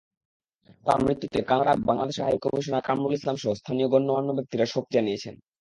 তাঁর মৃত্যুতে কানাডায় বাংলাদেশের হাইকমিশনার কামরুল ইসলামসহ স্থানীয় গণ্যমান্য ব্যক্তিরা শোক জানিয়েছেন।